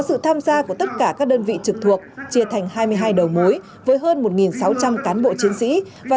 sự tham gia của tất cả các đơn vị trực thuộc chia thành hai mươi hai đầu mối với hơn một sáu trăm linh cán bộ chiến sĩ và